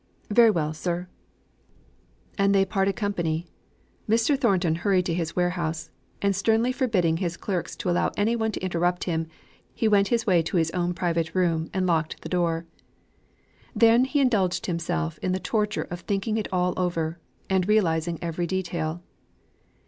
"Very well, sir!" And they parted company. Mr. Thornton hurried to his warehouse, and, sternly forbidding his clerks to allow any one to interrupt him, he went his way to his own private room, and locked the door. Then he indulged himself in the torture of thinking it all over, and realising every detail.